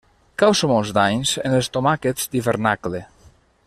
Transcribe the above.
Causa molts danys en els tomàquets d'hivernacle.